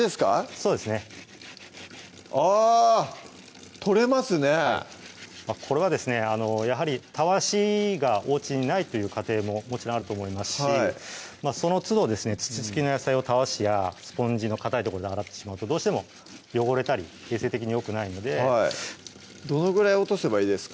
そうですねあ取れますねこれはですねやはりたわしがおうちにないという家庭ももちろんあると思いますしそのつどですね土付きの野菜をたわしやスポンジのかたい所で洗ってしまうとどうしても汚れたり衛生的によくないのでどのぐらい落とせばいいですか？